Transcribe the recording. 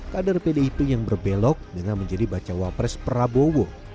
kader pdip yang berbelok dengan menjadi baca wapres prabowo